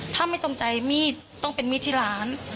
ถ้าไม่ตรงใจมีดต้องเป็นมีดที่ร้าน